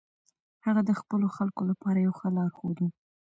هغه د خپلو خلکو لپاره یو ښه لارښود و.